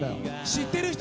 知ってる人！